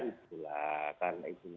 itulah karena itu